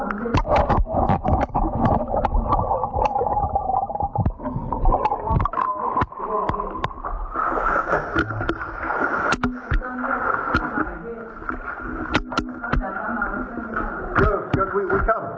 นั่นคือเวลาที่ดีที่สุด